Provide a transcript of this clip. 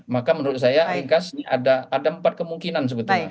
maka menurut saya incus ini ada empat kemungkinan sebetulnya